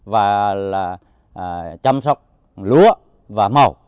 và là chăm sóc lúa và mắt